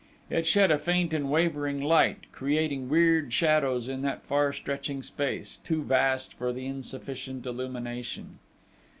It shed a faint and wavering light, creating weird shadows in that far stretching space, too vast for the insufficient illumination.